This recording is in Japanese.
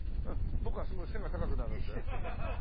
僕がすごい背が高くなるんだよ。